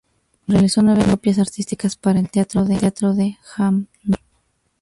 Realizó nueve copias artísticas para el teatro de Hannover.